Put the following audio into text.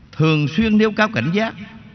thường xuyên nêu cao cảnh giác